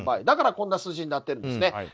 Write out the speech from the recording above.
だからこんな数字になってるんですね。